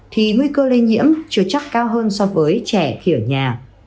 thì nguy cơ lây nhiễm chưa chắc cao hơn so với trẻ khi ở nhà